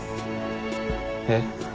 えっ？